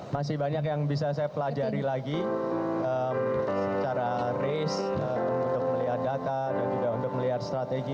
masih banyak yang bisa saya pelajari lagi secara race untuk melihat data dan juga untuk melihat strategi